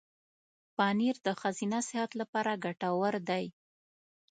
پنېر د ښځینه صحت لپاره ګټور دی.